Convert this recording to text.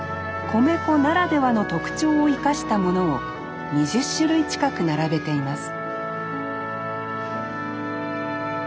米粉ならではの特長を生かしたものを２０種類近く並べています